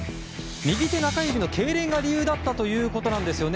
右手中指のけいれんが理由だったということですよね